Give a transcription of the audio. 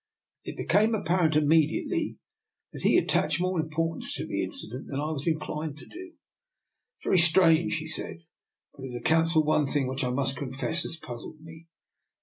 It became apparent immediately that he attached more importance to the incident than I was inclined to do. " It's very strange," he said, " but it ac counts for one thing which I must confess has puzzled me."